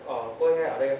ở quê hay ở đây